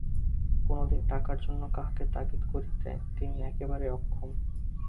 কোনোদিন টাকার জন্য কাহাকেও তাগিদ করিতে তিনি একেবারেই অক্ষম।